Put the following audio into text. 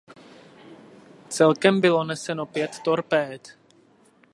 Celkem bylo neseno pět torpéd.